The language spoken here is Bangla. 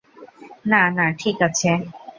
না, না, ঠিক আছে!